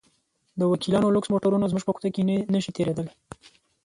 د وکیلانو لوکس موټرونه زموږ په کوڅه کې نه شي تېرېدلی.